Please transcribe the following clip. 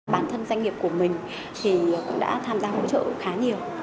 bản thân doanh nghiệp của mình thì cũng đã tham gia hỗ trợ khá nhiều